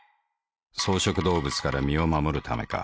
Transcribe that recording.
草食動物から身を護るためか。